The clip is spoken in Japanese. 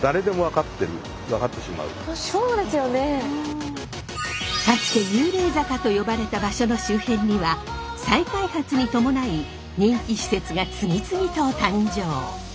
かつて幽霊坂と呼ばれた場所の周辺には再開発に伴い人気施設が次々と誕生。